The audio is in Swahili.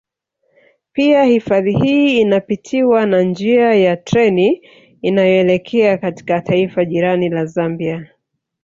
Pia hifadhi hii inapitiwa na njia ya treni inayoelekea katika taifa jirani la Zambia